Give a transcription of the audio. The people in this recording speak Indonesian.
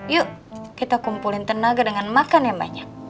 yuk kita kumpulin tenaga dengan makan yang banyak